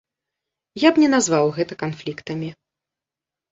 Я б не назваў гэта канфліктамі.